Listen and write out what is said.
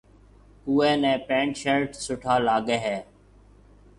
اوئي نيَ پينٽ شرٽ سُٺا لاگي ھيََََ